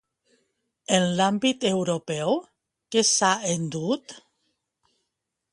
En l'àmbit europeu, què s'ha endut?